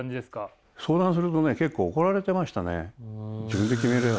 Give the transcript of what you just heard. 相談するとね結構怒られてましたね。